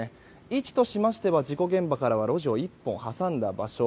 位置としましては事故現場から路地を１本挟んだ場所。